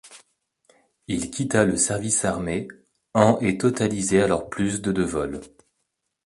Il quitta le service armé en et totalisait alors plus de de vol.